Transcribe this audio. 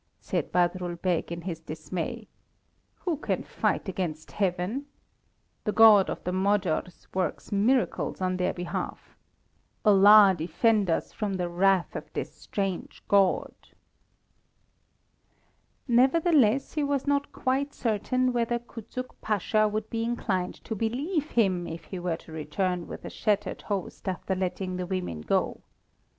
said Badrul Beg, in his dismay. "Who can fight against Heaven? The God of the Magyars works miracles on their behalf! Allah defend us from the wrath of this strange god!" Nevertheless, he was not quite certain whether Kuczuk Pasha would be inclined to believe him if he were to return with a shattered host after letting the women go.